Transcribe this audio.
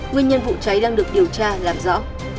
nguyên nhân vụ cháy đang được điều tra làm rõ